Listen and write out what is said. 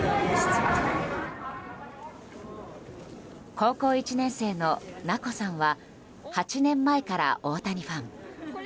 高校１年生の菜子さんは８年前から大谷ファン。